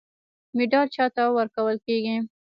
مډال چا ته ورکول کیږي؟